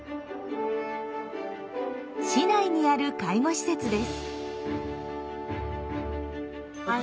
市内にある介護施設です。